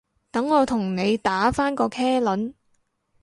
等我同你打返個茄輪